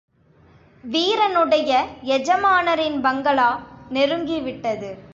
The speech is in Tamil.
வீரனுடைய எஜமானரின் பங்களா நெருங்கிவிட்டது.